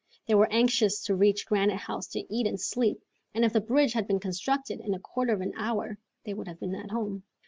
They were anxious to reach Granite House to eat and sleep, and if the bridge had been constructed, in a quarter of an hour they would have been at home.